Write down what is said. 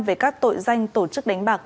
về các tội danh tổ chức đánh bạc